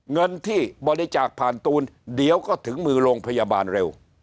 เงินที่บริจาคผ่านตูนเดี๋ยวก็ถึงมือโรงพยาบาลเร็ว